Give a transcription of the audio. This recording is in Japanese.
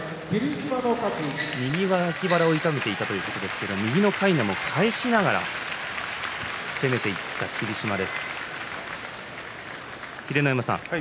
右脇腹を痛めていたということで右のかいなを返しながら攻めていった霧島です。